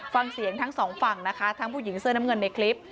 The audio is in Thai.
ฟังเสียงทั้งสองฝั่งนะคะทั้งผู้หญิงเสื้อน้ำเงินในคลิป